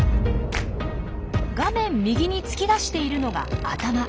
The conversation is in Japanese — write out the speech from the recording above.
画面右に突き出しているのが頭。